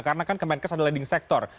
karena kan kemenkes adalah leading sector